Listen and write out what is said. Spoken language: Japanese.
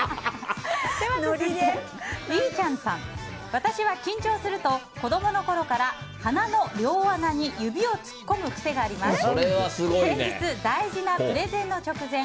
私は緊張すると子供のころから鼻の両穴に指を突っ込む癖があります。